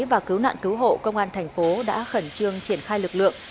và cứu nạn cứu hộ công an thành phố đã khẩn trương triển khai lực lượng